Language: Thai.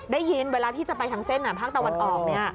ได้ยินเวลาที่จะไปทางเส้นภาคตะวันออก